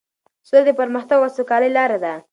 سوله د پرمختګ او سوکالۍ لاره ده.